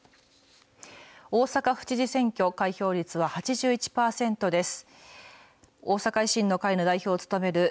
大阪府知事選挙、開票率は８１％です。